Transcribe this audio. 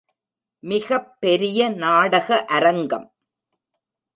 மிகப் பெரிய நாடக அரங்கம்.